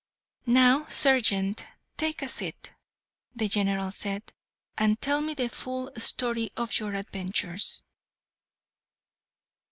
"Now, sergeant, take a seat," the General said, "and tell me the full story of your adventures."